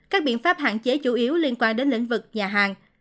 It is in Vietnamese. các biện pháp hạn chế chủ yếu liên quan đến lĩnh vực nhà hàng